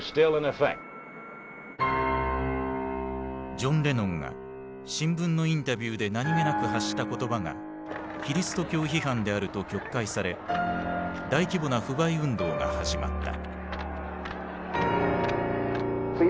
ジョン・レノンが新聞のインタビューで何気なく発した言葉がキリスト教批判であると曲解され大規模な不買運動が始まった。